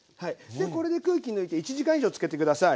でこれで空気抜いて１時間以上漬けて下さい。